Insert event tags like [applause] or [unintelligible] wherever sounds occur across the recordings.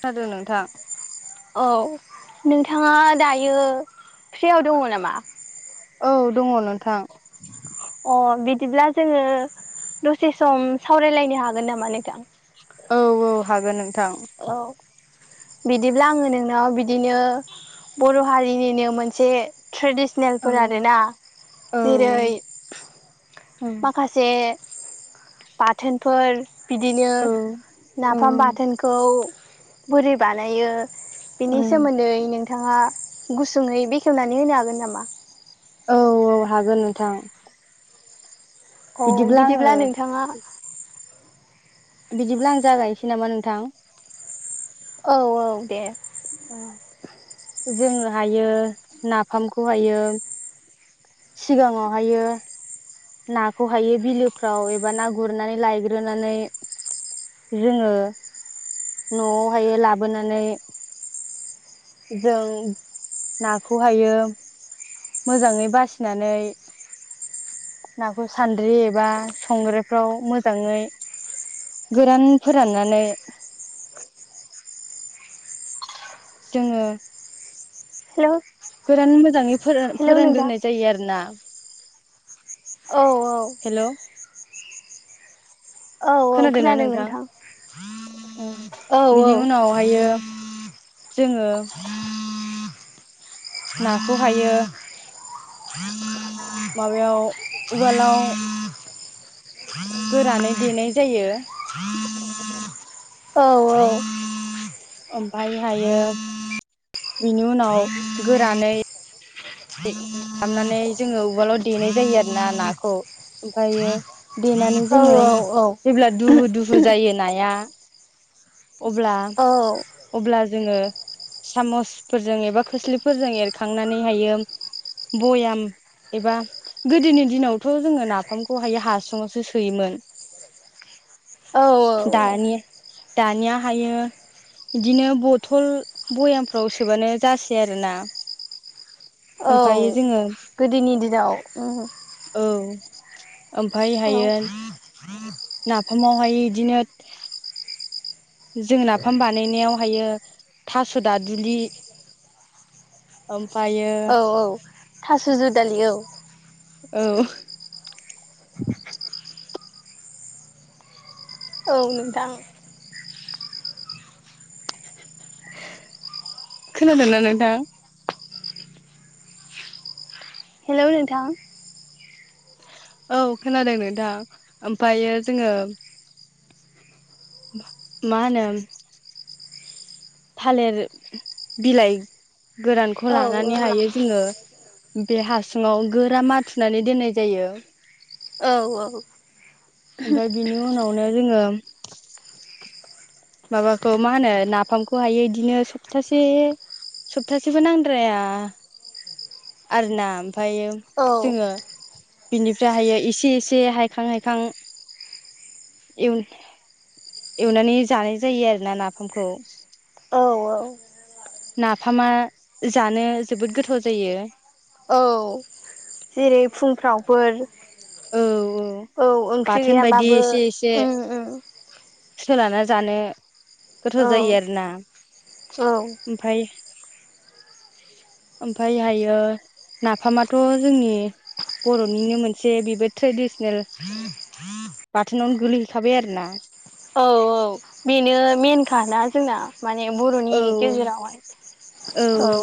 खोनादों नोंथां औ नोंथाङा दायो फ्रियाव दङ नामा औ दङ नोंथां अ बिदिब्ला जोङो दसे सम सावरायलायनो हागोन नामा नोंथां औ औ हागोन नों औ बिदिब्ला आङो नोंनाव बिदिनो बर' हारिनिनो मोनसे औ ट्रेडिसनेलफोर आरोना औ जेरै माखासे से बाथोनफोर बिदिनो औ नाफाम बाथोनखौ बोरि बानायो औ बेनि सोमोन्दै नोंथाङा गुसुङै बेखेवनानै होनो हागोन नामा औ औ हागोन नोंथां औ बिदिब्ला नोंथाङा बिदिब्ला आं जागायनोसै नामा नोंथां औ औ दे ओम जोङो हायो नाफामखौ हायो सिगाङावहायो नाखौ हायो बिलोफ्राव एबा ना गुरनानै लायग्रोनानै जोङो न'आवहाय लाबोनानै जों नाखौ हायो मोजाङै बासिनानै नाखौ सान्द्रि एबा संग्रायफ्राव मोजाङै गोरान फोराननानै लांदां जोङो हेल' गोरान मोजाङै फोरान फोरानग्रोनाय जायो आरो ना औ औ हेल' खोनादों ना नोंथां ओम औ औ बिनि उनावहायो जोङो नाखौ हायो माबायाव उवाल आव गोरानै देनाय जायो। औ औ ओमफायहायो बेनि उनाव गोरानै खालामनानै जोङो उवालाव देनाय जायो आरोना नाखौ ओमफ्रायो देनानै औ जोङो जेब्ला दुहु दुहु जायो नाया अब्ला औ अब्ला जोंङो सामसफोरजों एबा खोस्लिफोरजों एरखांनानै हायो बयाम एबा गोदोनि दिनावथ जोंङो नाफामखौहाय हासङावसो सोयोमोन। औ औ दानि औ दानिया हायो बिदिनो बथल भयामफ्राव सोबानो जासै आरोना औ ओमफ्रायायो जोंङो गोदोनि दिनाव उम औ औ ओमफायहायो नाफामावहाय बिदिनो जों नाफाम बानायनायावहायो थास' दादुलि आ औ औ थास' जु दालि औ। औ औ नोंथां। खोनादोंना नोंथां? हेलौ नोंथां। औ खोनादोंनो नोंथां ओमफ्रायो जोंङो माहोनो थालिर बिलाइ गोरानखौ औ लानानै हायो जोङो बे हासुङाव गोरा माथुनानै दोननाय जायो। औ औ ओमफ्राय बिनि उनावनो जोङो माबाखौ मा होनो नाफामखौ हायो बिदिनो सबथासे सबथासेबो नांद्राया आरो ना ओमफ्रायो औ जोङो बिनिफ्रायहायो एसे एसे हायखां हायखां एवनानै जानाय जायो आरोना नाफामखौ। औ नाफामा जानो जोबोद गोथाव जायो। औ जेरै फुंफ्रावबो औ ओंख्रि गैयाबाबो म म सोला जानो गोथाव औ जायो आरोना। औ ओमफ्राय ओमफ्रायहायो नाफामाथ' जोंनि बर'निनो मोनसे बेबो ट्रेडिसनेल बाथोनावनो गोलैहैखाबाय आरोना। औ औ बेनो मेेनखा ना जोंना माने औ बर'नि गेजेरावहाय। औ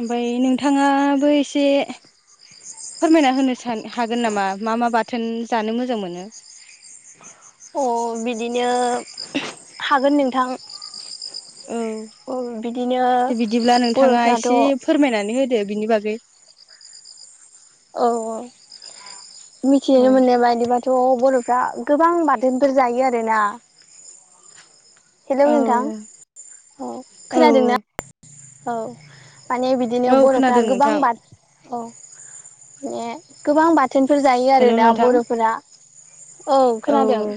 ओमफ्राय नोंथाङाबो एसे फोरमायना होनो सा हागोन नामा मा मा बाथोन जानो मोजां मोनो? अ बिदिनो हागोन नोंथां। औ औ बिदिनो दे बिदिब्ला नोंथाङा बर'फ्राथ' एसे फोरमायनानै होदो बिनि बागै? औ औ औ मिथिनो मोननाय बायदिबाथ' बर'फ्रा गोबां बाथोनफोर जायो आरोना। हेलौ औ नोंथां औ खोनादोंना औ। माने बिदिनो औ बरफ्रा खोनादों गोबां नोंथां बाथ अ माने गोबां बाथ थोनफोर जायो आरो हेलौ ना नोंथां बर'फोरा औ खोनादों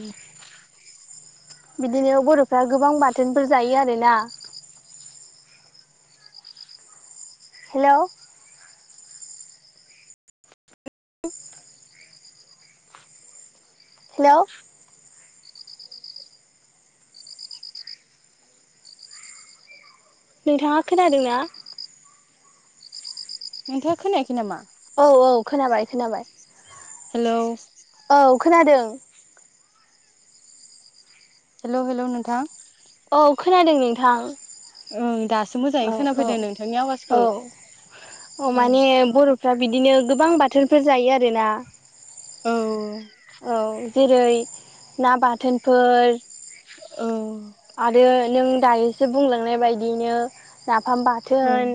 बिदिनो बर'फ्रा गोबां बाथोनफोर जायो आरोना हेलौ [unintelligible] हेलौ नोंथाङा खोनादों ना? नोंथाङा खोनायाखै नामा? औ औ खोनाबाय खोनाबाय हेलौ औ खोनादों। हेलौ हेलौ नोंथां। औ खोनादों नोंथां। ओं दास औ औ औ अ माने बर'फ्रा बिद बिदिनो गोबां बाथोनफोर जायो आरोना आंथ' औ। जेरै ना बाथोनफोर आरो नों दानिसो बुंलांनाय बायदियैनो नाफाम बाथोन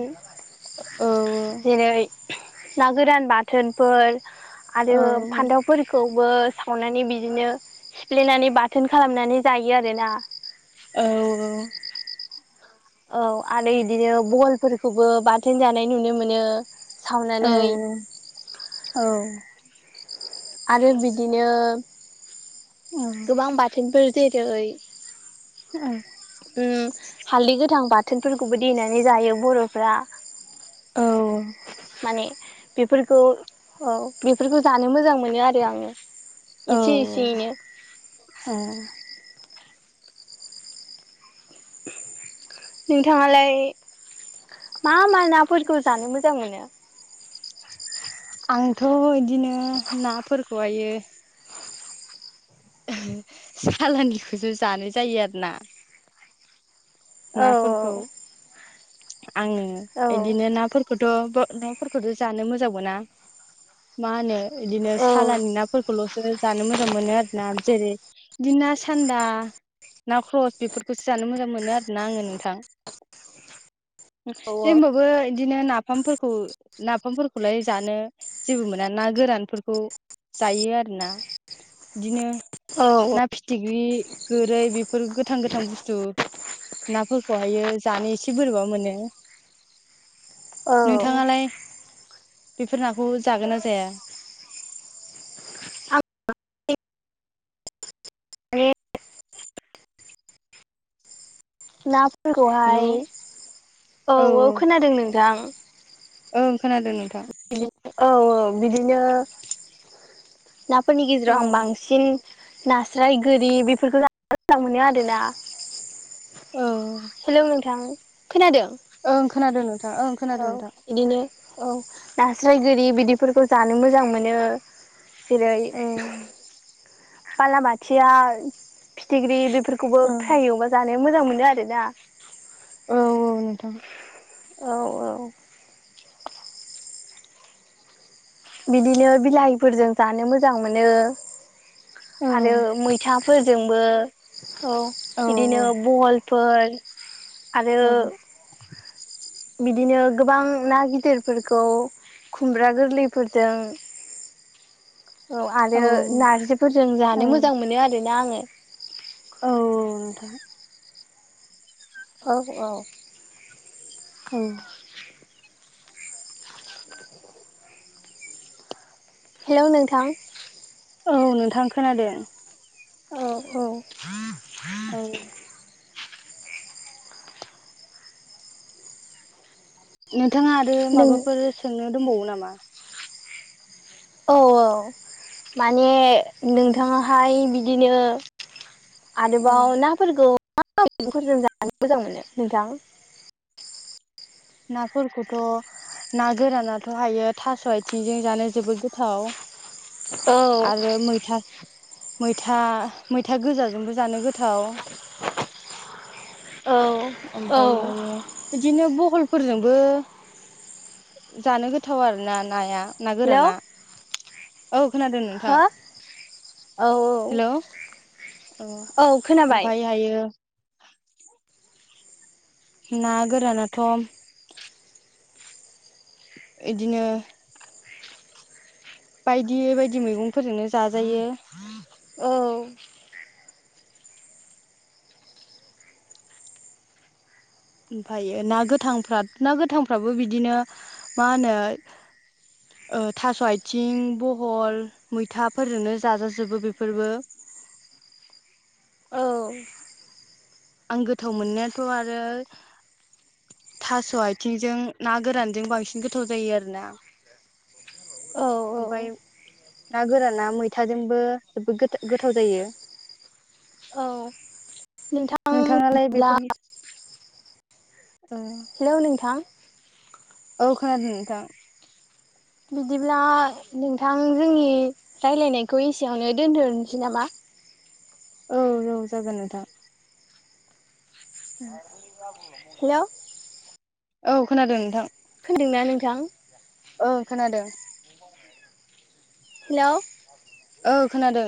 जेरै ना गोरान बाथोनफोर आरो फान्थावफोरखौबो सावनानै बिदिनो सिफ्लेनानै बाथोन खालामनानै जायो आरोना। औ आरो बिदिनो बहलफोरखौबो बाथोन जानाय नुनो मोनो। औ सावनानै औ। आरो बिदिनो गोबां बाथोनफोर जेरै ओं। उम हालदै गोथां बाथोनफोरखौबो देनानै जायो बर'फ्रा माने बेफोरखौ औ बेफोरखौ जानो मोजां मोनो आरो आङो। इसे इसेयैनो। नोंथाङालाय मा मा नाफोरखौ जानो मोजां मोनो? आंथ' इदिनो नाफोरखौ हायो ओं सालानिखौसो जानो जायो आरो ना। औ औ। आङो इदिनो नाफोरखौथ' हो नाफोरखौथ जानो मोजां मोना मा होनो इदिनो औ सालानि नाफोरखौल'सो जानो मोजां मोनो आरो ना जेरै इदि ना सान्दा ना ख्रस बेफोरखौसो जानो मोजां मोनो आर ना आङो नोंथां जेहोनबाबो इद बिदिनो नाफामफोरखौ नाफामफोरखौलाय जानो जेबो मोना ना गोरानफोरखौ जायो आरोना इदिनो औ ना फिथिख्रि गोरै बेफोर गोथां गोथां बुस्थु नाफोरखौ हायो जानो एसे बोरैबा मोनो औ नोंथाङालाय? बेफोर नाखौ जागोन ना जाया? आं माने [unintelligible] हेलौ नाफोरखौहाय औ औ खोनादों नोंथां। ओं खोनादों नोंथां। इलिब औ औ बिदिनो। नाफोरनि औ गेजेराव आं बांसिन नास्राय गोरि बेफोरखौ जानो मोजां मोनो आरोना। औ हेलौ नोंथां? खोनादों ओं खोनादों नोंथां ओं औ खोनादों नोंथां इदिनो औ नास्राय गोरि बिदिफोरखौ जानो मोजां मोनो। जेरै औ बालाबाथिया फिथिख्रि बेफ फोरखौबो औ फ्राय एवबा जानो मोजां मोनो आरोना। औ औ नोंथां। औ औ बिदिनो बिलाहिफोरजों जानो मोजां मोनो औ आरो मैथा फोरजोंबो औ औ बिदिनो बहलफोर। औ आरो बिदिनो गोबां ना गिदिरफोरखौ खुमब्रा गोरलैफोरजों औ आरो नारजिफोरजों जानो मोजां मोनो आरोना आङो। औ औ नोंथां। औ औ औ हेलौ नोंथां? औ नोंथां खोनादों। औ औ औ नोंथाङा आरो नों माबाफोर सोंनो दंबावो नामा? औ औ माने नोंथाङाहाय बिदिनो औ आरोबाव नाफोरखौ मा मैगंफोरजों जानो मोजां मोनो नोंथां? नाफोरखौथ' ना गोरानाथ' हायो थास' आथिंजों जानो जोबोद गोथाव। औ आरो मैथा मैथा मैथा गोजाजोंबो जानो गोथाव। औ औ ओमफ्राय हायो इदिनो बो- फलफोरजोंबो जानो गोथाव आरोना नाया। हेल' नागोराना। औ खोनादों नोंथां। हो औ हेलौ औ ओमफाय हायो ना गोरानाथ' बिदिनो बायदि बायदि मैगंफोरजोंनो जाजायो। औ ओमफ्रायो ना गोथांफ ना गोथांफ्राबो बिदिनो मा होनो ओ थास' आथिं बहल मैथाफोरजोंनो जाजाजोबो बेफोरबो। औ आं गोथाव मोननायाथ' आरो थास' आथिंजों ना गोरानजों बांसिन गोथाव जायो आरोना। औ ओमफ्राय ना गोराना मैथाजोंबो जोबोद गो-गोथाव जायो। औ नोंथां। [unintelligible] हेलौ नोंथां? औ खोनादों नोंथां। बिदिब्ला नोंथां जोंनि राय्लायनायखौ एसेयावनो दोनथ'नोसै नामा? औ औ जागोन नोंथां। हेलौ औ खोनादों नोंथां। खोनादोंना नोंथां? ओ खोनादों। हेल' औ खोनादों।